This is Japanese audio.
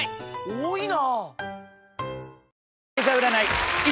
多いな！